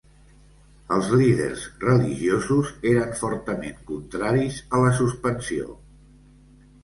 Els líders religiosos eren fortament contraris a la suspensió.